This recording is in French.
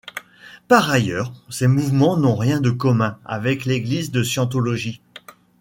Par ailleurs, ces mouvements n'ont rien de commun avec l'Église de Scientologie.